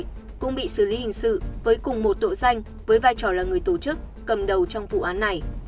cũng bị xử lý hình sự với cùng một tội danh với vai trò là người tổ chức cầm đầu trong vụ án này